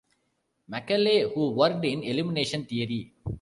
Macaulay, who worked in elimination theory.